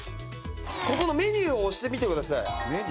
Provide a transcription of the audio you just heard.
ここのメニューを押してみてください。